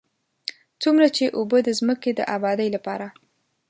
څومره چې اوبه د ځمکې د ابادۍ لپاره.